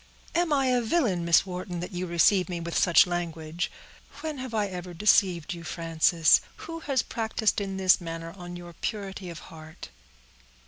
"Am I a villain, Miss Wharton, that you receive me with such language? When have I ever deceived you, Frances? Who has practiced in this manner on your purity of heart?"